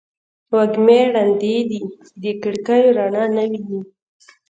وږمې ړندې دي د کړکېو رڼا نه ویني